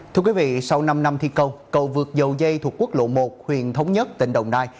thưa quý vị sau năm năm thi công cầu vượt dầu dây thuộc quốc lộ một huyện thống nhất tỉnh đồng nai